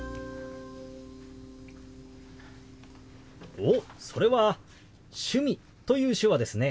おっそれは「趣味」という手話ですね。